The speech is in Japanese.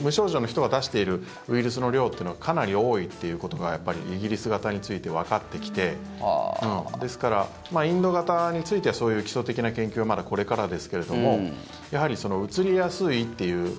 無症状の人が出しているウイルスの量というのはかなり多いということがイギリス型についてわかってきてですから、インド型についてはそういう基礎的な研究はまだこれからですけれどもやはり、うつりやすいという。